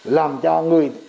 làm cho người